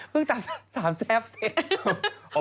เพิ่งตัด๓แซ่บเสร็จ